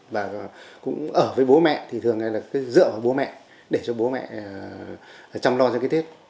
và cũng ở với bố mẹ thì thường hay là cứ dựa vào bố mẹ để cho bố mẹ chăm lo cho cái tết